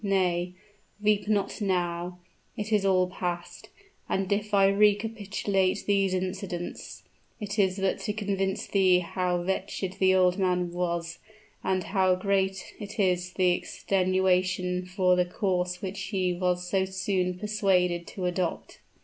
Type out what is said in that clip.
Nay weep not now; it is all past; and if I recapitulate these incidents, it is but to convince thee how wretched the old man was, and how great is the extenuation for the course which he was so soon persuaded to adopt."